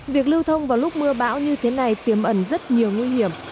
việc lưu thông vào lúc mưa bão như thế này tiềm ẩn rất nhiều nguy hiểm